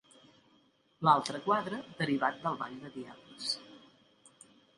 L'altre quadre derivat del ball de diables.